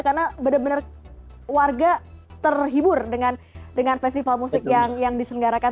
karena benar benar warga terhibur dengan festival musik yang diselenggarakan